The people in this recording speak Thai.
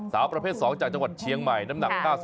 สาวประเภท๒จากจังหวัดเชียงใหม่